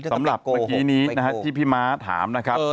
สำหรับเมื่อกี้ที่พี่ม้าถามนะครับ